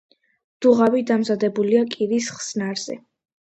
დუღაბი დამზადებულია კირის ხსნარზე.